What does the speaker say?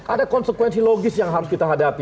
ada konsekuensi logis yang harus kita hadapi